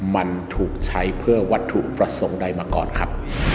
มันถูกใช้เพื่อวัตถุประสงค์ใดมาก่อนครับ